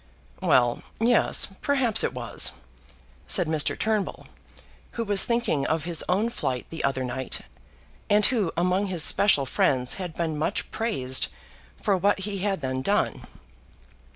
"Well; yes; perhaps it was," said Mr. Turnbull, who was thinking of his own flight the other night, and who among his special friends had been much praised for what he had then done.